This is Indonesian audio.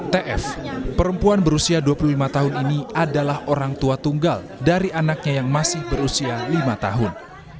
tf perempuan berusia dua puluh lima tahun ini adalah orang tua tunggal dari anaknya yang masih berusia lima tahun